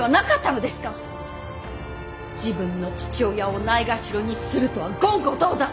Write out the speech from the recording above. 自分の父親をないがしろにするとは言語道断！